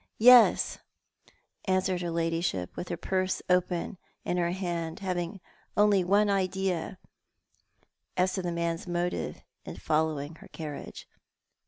"Yes," answered her ladyship, with her purse open in her hand, having only one idea as to the man's motive in following her carr age.